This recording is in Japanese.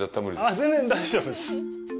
あっ、全然、大丈夫です。